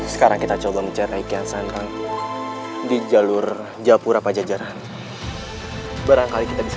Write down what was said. sekarang kita coba mencari ikan sandra di jalur japura pajajaran barangkali kita bisa